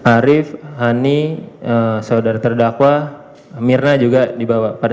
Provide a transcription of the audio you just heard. arief hani saudara terdakwa mirna juga di bawah